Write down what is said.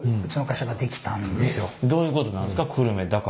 どういうことなんですか？